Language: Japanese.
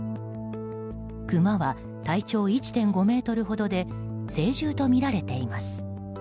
クマは体長１．５ｍほどで成獣とみられています。